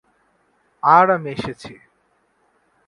আর আমি এসেছি।